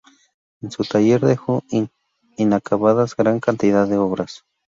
En su taller dejó inacabadas gran cantidad de obras.